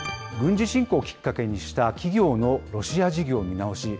軍事侵攻をきっかけにした、企業のロシア事業見直し。